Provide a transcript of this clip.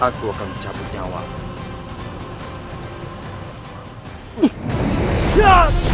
aku akan mencabut nyawamu